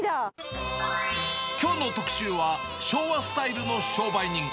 きょうの特集は、昭和スタイルの商売人。